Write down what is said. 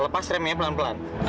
lepas remnya pelan pelan